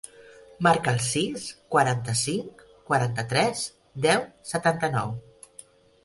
Marca el sis, quaranta-cinc, quaranta-tres, deu, setanta-nou.